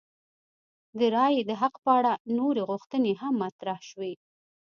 د رایې د حق په اړه نورې غوښتنې هم مطرح شوې.